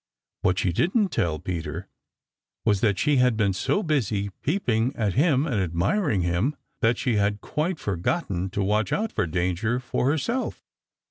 What she didn't tell Peter was that she had been so busy peeping at him and admiring him that she had quite forgotten to watch out for danger for herself.